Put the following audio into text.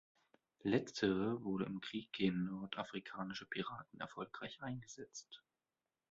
Letztere wurde im Krieg gegen nordafrikanische Piraten erfolgreich eingesetzt.